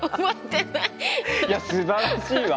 いやすばらしいわ！